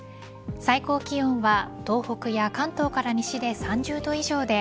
最高気温は東北や関東から西で３０度以上で